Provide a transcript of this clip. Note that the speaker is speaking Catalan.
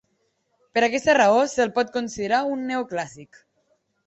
Per aquesta raó se'l pot considerar un neoclàssic.